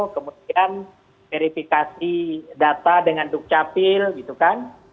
kemudian verifikasi data dengan dukcapil gitu kan